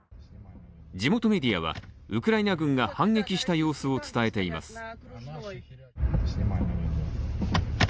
地元メディアはウクライナ軍が反撃した様子を伝えています。